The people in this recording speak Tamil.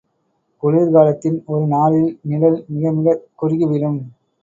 குளிர் காலத்தின் ஒரு நாளில் நிழல் மிக மிகக் குறுகி விழும்.